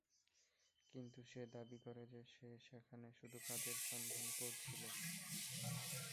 কিন্তু সে দাবি করে যে সেখানে সে শুধু কাজের সন্ধান করছিল।